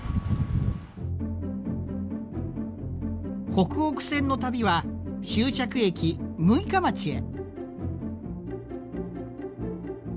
ほくほく線の旅は終着駅六日町へ。